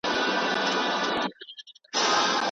آیا تاسو کله هم د خوړو له امله ناروغه شوي یاست؟